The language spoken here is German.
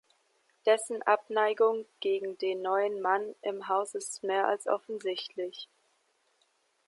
Dessen Abneigung gegen den neuen Mann im Haus ist mehr als offensichtlich.